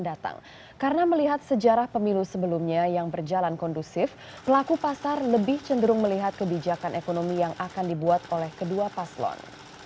sebelumnya pemerintah tidak akan mencari pemerintah yang berpengaruh dengan kebijakan ekonomi yang akan dibuat oleh kedua paslon